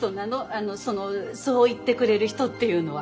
あのそのそう言ってくれる人っていうのは。